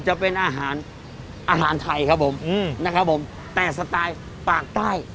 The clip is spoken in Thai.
จะเป็นอาหารอาหารไทยครับผมอืมนะครับผมแต่สไตล์ปากใต้